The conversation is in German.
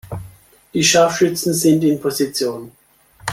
Die Scharfschützen sind in Position.